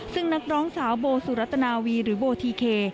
ซึ่งนักร้องสาวโบสุรัตนาวีหรือโบทีเค